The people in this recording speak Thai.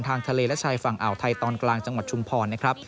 ทางทะเลและชายฝั่งอ่าวไทยตอนกลางจังหวัดชุมพรนะครับ